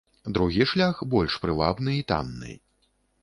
Другі шлях больш прывабны і танны.